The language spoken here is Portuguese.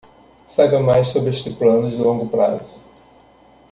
Saiba mais sobre este plano de longo prazo